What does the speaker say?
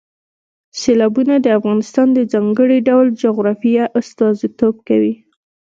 سیلابونه د افغانستان د ځانګړي ډول جغرافیه استازیتوب کوي.